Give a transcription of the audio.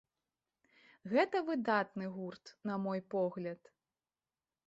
Гэта выдатны гурт, на мой погляд.